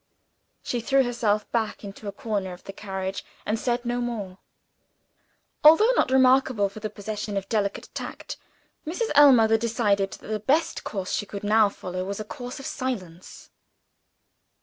She threw herself back in a corner of the carriage and said no more. Although not remarkable for the possession of delicate tact, Mrs. Ellmother discovered that the best course she could now follow was a course of silence.